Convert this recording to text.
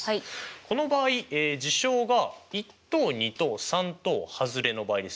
この場合事象が１等２等３等はずれの場合ですよね。